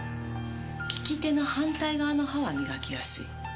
利き手の反対側の歯は磨きやすい。